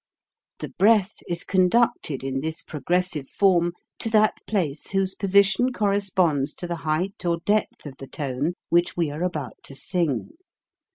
The breath is conducted in this progressive form to that place whose position corresponds to the height or depth of the tone which we are about to sing.